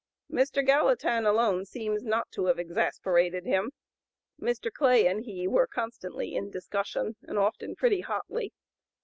Mr. Gallatin alone seems not to have exasperated him; Mr. Clay and he were constantly (p. 084) in discussion, and often pretty hotly.